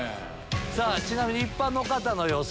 ちなみに一般の方の予想。